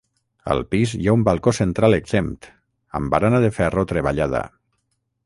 Al pis hi ha un balcó central exempt, amb barana de ferro treballada.